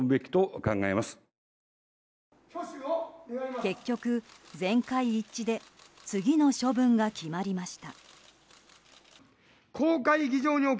結局、全会一致で次の処分が決まりました。